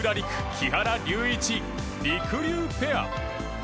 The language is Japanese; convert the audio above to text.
木原龍一りくりゅうペア。